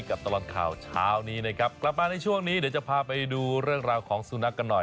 ตลอดข่าวเช้านี้นะครับกลับมาในช่วงนี้เดี๋ยวจะพาไปดูเรื่องราวของสุนัขกันหน่อย